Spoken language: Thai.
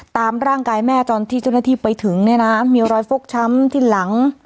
ตามร่างกายแม่ตอนที่เจ้าหน้าที่ไปถึงเนี่ยนะมีรอยฟกช้ำที่หลัง